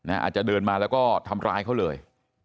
อาจจะเดินมาแล้วก็ทำร้ายเขาเลย